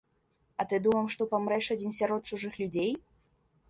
А ты думаў, што памрэш, адзін сярод чужых людзей?